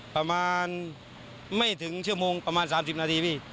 ประมาณไม่ถึงชั่วโมงประมาณ๓๐นาทีพี่